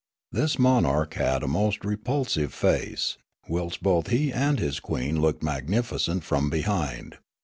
This monarch had had a most repulsive face, whilst both he and his queen looked magnificent from behind.